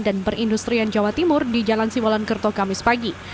dan perindustrian jawa timur di jalan simolan kerto kamis pagi